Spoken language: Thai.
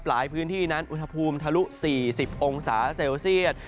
หลายพื้นที่นั้นอุณหภูมิทะลุ๔๐องศาเซลเซียต